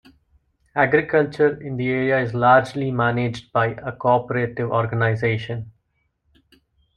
Agriculture in the area is largely managed by a cooperative organization.